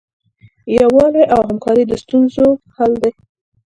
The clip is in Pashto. یووالی او همکاري د ستونزو حل دی.